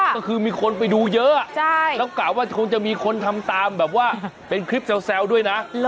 ก็คือมีคนไปดูเยอะแล้วกะว่าคงจะมีคนทำตามแบบว่าเป็นคลิปแซวด้วยนะ